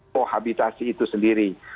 pohabitasi itu sendiri